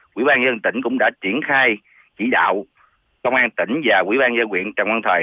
quỹ ban dân tỉnh cũng đã triển khai chỉ đạo công an tỉnh và quỹ ban dân quyện trần văn thời